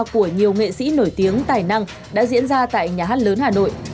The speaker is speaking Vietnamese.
của nhiều nghệ sĩ nổi tiếng tài năng đã diễn ra tại nhà hát lớn hà nội